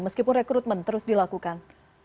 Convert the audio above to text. meskipun rekrutmen terus dilakukan